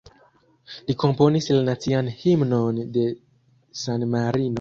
Li komponis la nacian himnon de San Marino.